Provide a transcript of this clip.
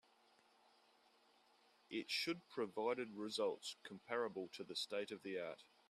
It should provided results comparable to the state of the art.